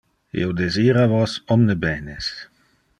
Io desira vos omne benes.